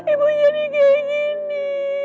ibu jadi kayak gini